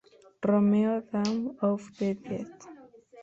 Romero; "Dawn of the dead".